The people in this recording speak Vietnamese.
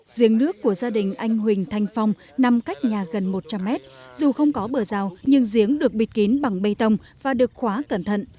giếng nước của gia đình anh huỳnh thanh phong nằm cách nhà gần một trăm linh mét dù không có bờ rào nhưng giếng được bịt kín bằng bê tông và được khóa cẩn thận